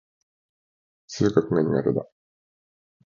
数学が苦手だ。